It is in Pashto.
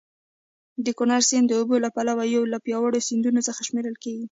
د کونړ سیند د اوبو له پلوه یو له پیاوړو سیندونو څخه شمېرل کېږي.